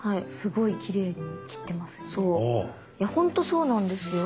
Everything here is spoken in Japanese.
いやほんとそうなんですよ。